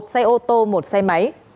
một xe ô tô một xe máy